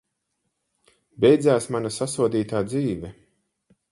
Beidzās mana sasodītā dzīve!